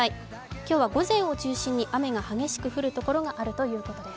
今日は午前を中心に雨が激しく降る所があるということです。